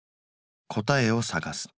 「答えを探す」。